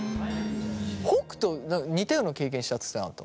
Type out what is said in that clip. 北斗似たような経験したっつってなかった？